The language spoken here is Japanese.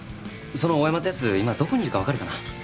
その大山ってやつ今どこにいるか分かるかな？